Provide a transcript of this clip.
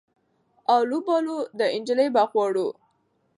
آلو بالو دا انجلۍ به غواړو